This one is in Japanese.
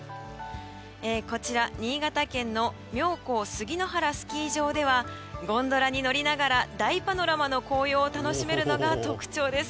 こちら、新潟県の妙高杉ノ原スキー場ではゴンドラに乗りながら大パノラマの紅葉を楽しめるのが特徴です。